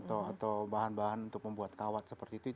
atau bahan bahan untuk membuat kawat seperti itu